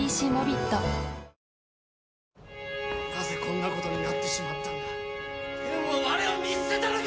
なぜこんなことになってしまったんだ。